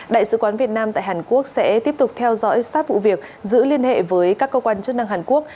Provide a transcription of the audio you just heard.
đại sứ quán việt nam tại hàn quốc sẽ tiếp tục theo dõi sát vụ việc giữ liên hệ với các cơ quan chức năng hàn quốc